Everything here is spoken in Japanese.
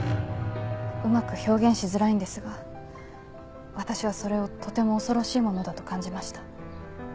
うまく表現しづらいんですが私はそれをとても恐ろしいものだと感じました。